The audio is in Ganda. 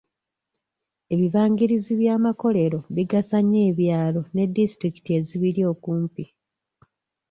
Ebibangirizi by'amakolero bigasa nnyo ebyalo ne disitulikiti ezibiri okumpi.